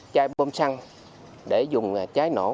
chai bơm xăng để dùng chai nổ